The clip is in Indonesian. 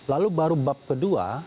lalu baru bab kedua